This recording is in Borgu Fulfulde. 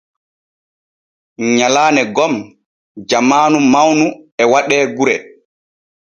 Nyalaane gom jamaanu mawnu e waɗe gure.